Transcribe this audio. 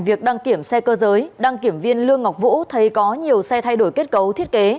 việc đăng kiểm xe cơ giới đăng kiểm viên lương ngọc vũ thấy có nhiều xe thay đổi kết cấu thiết kế